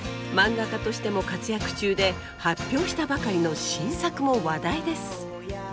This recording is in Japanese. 漫画家としても活躍中で発表したばかりの新作も話題です。